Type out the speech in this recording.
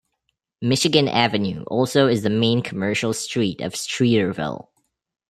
Michigan Avenue also is the main commercial street of Streeterville.